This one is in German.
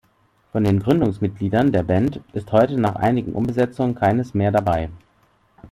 Von den Gründungsmitgliedern der Band ist heute nach einigen Umbesetzungen keines mehr dabei.